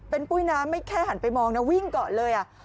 เป็นปุ้ยน้ำไม่แค่หันไปมองนะวิ่งก่อนเลย